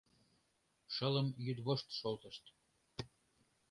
Шылым йӱдвошт шолтышт.